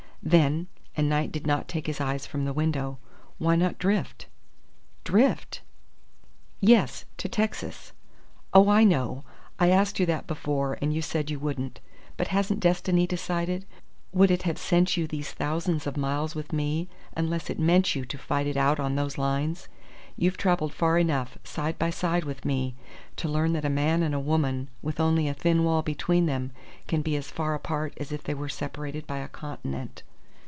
"Then" and Knight did not take his eyes from the window "why not drift?" "Drift?" "Yes. To Texas. Oh, I know! I asked you that before, and you said you wouldn't. But hasn't destiny decided? Would it have sent you these thousands of miles with me unless it meant you to fight it out on those lines? You've travelled far enough, side by side with me, to learn that a man and a woman with only a thin wall between them can be as far apart as if they were separated by a continent.